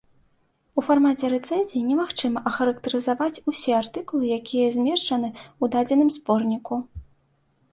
У фармаце рэцэнзіі немагчыма ахарактарызаваць усе артыкулы, якія змешчаны ў дадзеным зборніку.